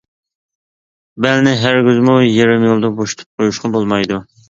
بەلنى ھەرگىزمۇ يېرىم يولدا بوشىتىپ قويۇشقا بولمايدۇ.